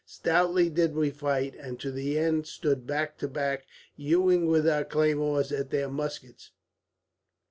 Stoutly did we fight, and to the end stood back to back, hewing with our claymores at their muskets.